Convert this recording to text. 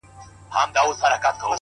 بس ستا و ستا د ساه د ښاريې وروستی قدم و